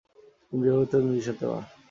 তিনি বিবাহিত এবং দুই সন্তানের মা।